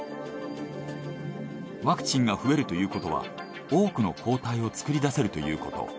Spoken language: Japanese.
ワクチンが増えるということは多くの抗体を作り出せるということ。